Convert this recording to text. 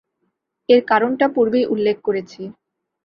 এর কারণটা পূর্বেই উল্লেখ করেছি।